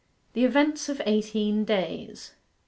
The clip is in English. THE EVENTS OF EIGHTEEN DAYS 1.